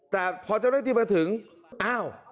แต่พอเจ้าหน้าที่มาถึงอ้าว